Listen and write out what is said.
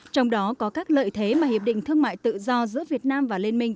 trong đó có các lợi thế mà hiệp định thương mại tự do giữa việt nam và liên minh